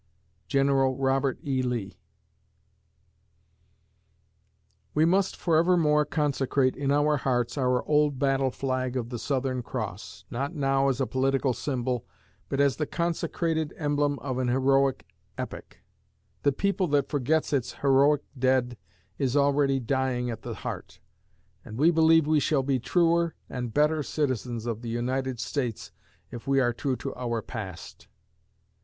GENERAL ROBERT E. LEE We must forevermore consecrate in our hearts our old battle flag of the Southern Cross not now as a political symbol, but as the consecrated emblem of an heroic epoch. The people that forgets its heroic dead is already dying at the heart, and we believe we shall be truer and better citizens of the United States if we are true to our past.